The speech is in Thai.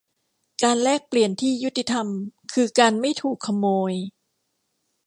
การแลกเปลี่ยนที่ยุติธรรมคือการไม่ถูกขโมย